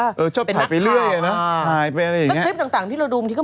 อะไรนะ